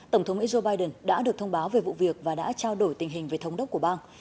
tổng thống joe biden đã được thông báo về vụ việc và đã trao đổi tình hình về thống đốc của bang